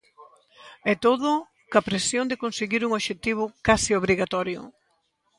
E todo, coa presión de conseguir un obxectivo case obrigatorio.